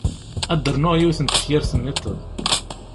Ad d-rnuɣ yiwet n tefyirt-nniḍen.